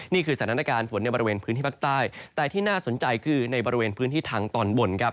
นี่คือสถานการณ์ฝนในบริเวณพื้นที่ภาคใต้แต่ที่น่าสนใจคือในบริเวณพื้นที่ทางตอนบนครับ